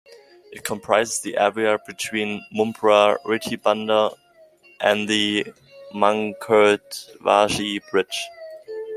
It comprises the area between Mumbra Retibunder and the Mankhurd-Vashi Bridge.